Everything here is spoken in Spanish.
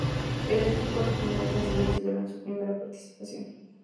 El equipo rojinegro consiguió el título en su primera participación.